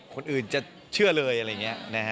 คนอื่นจะเชื่อเลยอะไรอย่างนี้นะฮะ